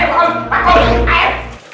airnya belum pak gus airnya belum